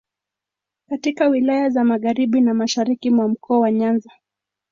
katika wilaya za magharibi na mashariki mwa Mkoa wa Nyanza